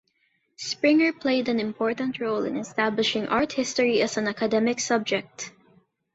Springer played an important role in establishing art history as an academic subject.